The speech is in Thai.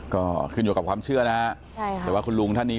ก็คุยอยู่กับความเชื่อแล้วนะแต่ว่าคุณลุงท่านนี้